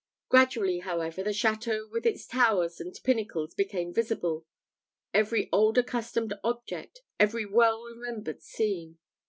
Gradually, however, the château with its towers and pinnacles became visible every old accustomed object, every well remembered scene.